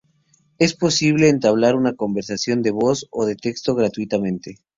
Es posible entablar una conversación de voz o de texto gratuitamente.